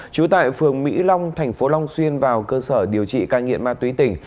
trú tại phường mỹ long tp long xuyên vào cơ sở điều trị ca nghiện ma túy tỉnh